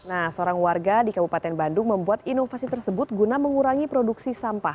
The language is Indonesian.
nah seorang warga di kabupaten bandung membuat inovasi tersebut guna mengurangi produksi sampah